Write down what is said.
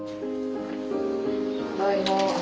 ただいま。